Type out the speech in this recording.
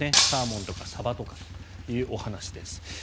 サーモンとかサバとかというお話です。